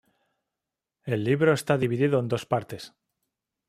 El libro esta dividido en dos partes.